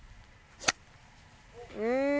うん。